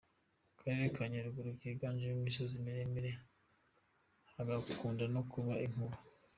Akarere ka Nyaruguru kiganjemo imisozi miremire, hagakunda no kuba inkuba.